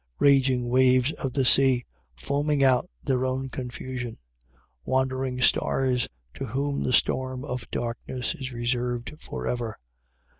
Raging waves of the sea, foaming out their own confusion: wandering stars, to whom the storm of darkness is reserved for ever.